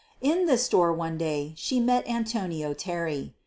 In this store one day she met Antonio Terry.